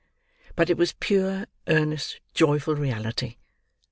But it was pure, earnest, joyful reality.